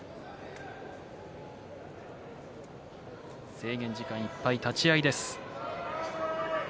制限時間いっぱい立ち合いです。